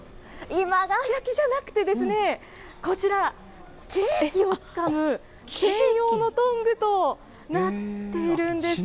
今川焼じゃなくてですね、こちら、ケーキをつかむ専用のトングとなっているんです。